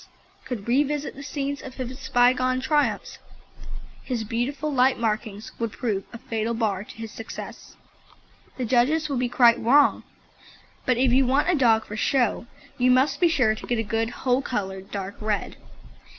could revisit the scenes of his bygone triumphs, his beautiful light markings would prove a fatal bar to his success. The judges would be quite wrong, but if you want a dog for show you must be sure to get a good whole coloured dark red.